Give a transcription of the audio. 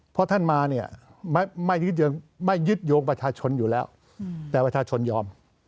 เพราะท่านมาเนี่ยไม่ยึดโยงประชาชนอยู่แล้วแต่ประชาชนยอม